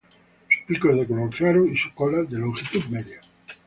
Su pico es de color claro y su cola de longitud media.